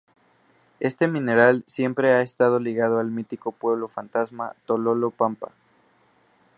Este mineral siempre ha estado ligado al mítico pueblo fantasma Tololo Pampa.